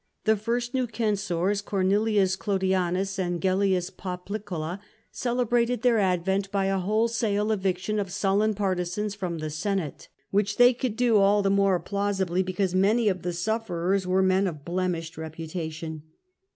The first new censors, Cornelius Olodianus and Gellius Poplicola, celebrated their advent by a wholesale eviction of Sullan partisans from the Senate, which they could do all the more plausibly because many of the sufferers were men of blemished reputation.